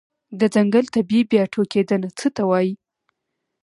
د ځنګل طبيعي بیا ټوکیدنه څه ته وایې؟